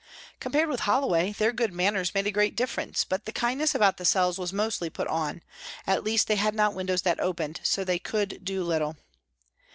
Compared with Holloway, their good manners made a great differ ence, but the kindness about the cells was mostly put on ; at least, they had not windows that opened, so they could do little.